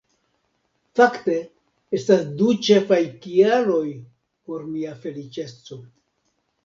Fakte estas du ĉefaj kialoj por mia feliĉeco